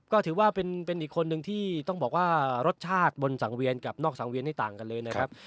ก็ถือว่าเป็นอีกคนนึงที่ต้องบอกว่ารสชาติบนสังเวียนกับนอกสังเวียนนี่ต่างกันเลยนะครับ